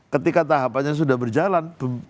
ketika tahapannya sudah berjalan